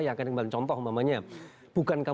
yang akan kembali contoh namanya